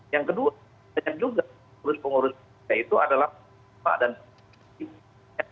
yang kedua banyak juga urus urus p tiga itu adalah pak dan p tiga